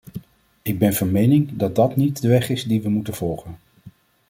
Ik ben van mening dat dat niet de weg is die we moeten volgen.